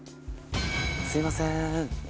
すみません。